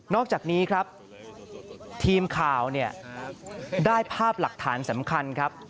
อกจากนี้ครับทีมข่าวเนี่ยได้ภาพหลักฐานสำคัญครับ